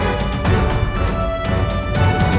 selamat tinggal puteraku